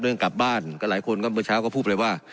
กลับบ้านก็หลายคนก็เมื่อเช้าก็พูดไปว่า